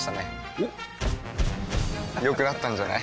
おっ良くなったんじゃない？